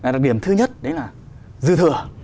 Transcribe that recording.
đặc điểm thứ nhất đấy là dư thừa